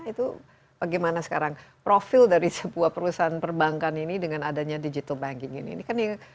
itu bagaimana sekarang profil dari sebuah perusahaan perbankan ini dengan adanya digital banking ini